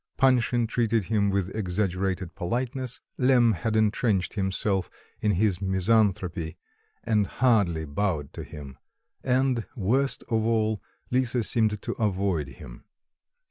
Panshin treated him with exaggerated politeness; Lemm had entrenched himself in his misanthropy and hardly bowed to him, and, worst of all, Lisa seemed to avoid him.